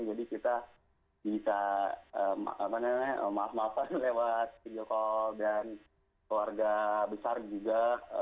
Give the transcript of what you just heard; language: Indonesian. jadi kita bisa maaf maafan lewat video call dan keluarga besar juga